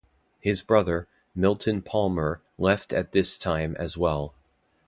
His brother, Milton Palmer, left at this time as well.